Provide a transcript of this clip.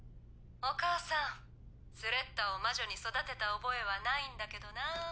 お母さんスレッタを魔女に育てた覚えはないんだけどな。